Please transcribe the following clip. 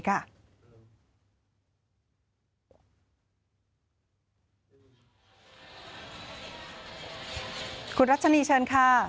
คุณรัชนีเชิญค่ะ